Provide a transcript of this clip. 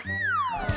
ini jemilannya mana